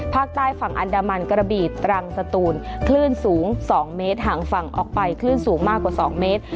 ภาคใต้ฝั่งอันดามันกระบีตรังสตูนคลื่นสูง๒เมตรห่างฝั่งออกไปคลื่นสูงมากกว่า๒เมตร